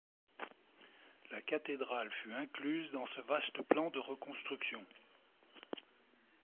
La cathédrale fut incluse dans ce vaste plan de reconstruction.